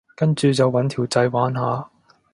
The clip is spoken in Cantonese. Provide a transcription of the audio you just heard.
跟住就搵條仔玩下